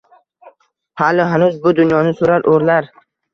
Hali hanuz bu dunyoni soʼrar oʼrlar